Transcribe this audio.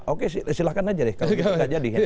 oke silahkan aja deh kalau gitu nggak jadi